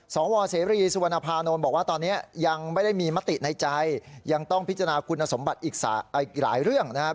สวเสรีสุวรรณภานนท์บอกว่าตอนนี้ยังไม่ได้มีมติในใจยังต้องพิจารณาคุณสมบัติอีกหลายเรื่องนะครับ